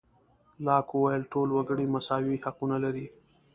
لاک وویل ټول وګړي مساوي حقونه لري.